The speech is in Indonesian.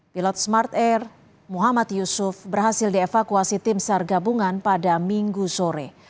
pilot smart air muhammad yusuf berhasil dievakuasi tim sar gabungan pada minggu sore